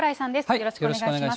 よろしくお願いします。